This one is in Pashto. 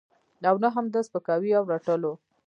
او نه هم د سپکاوي او رټلو.